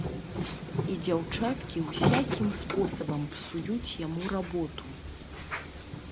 І дзяўчаткі ўсякім спосабам псуюць яму работу.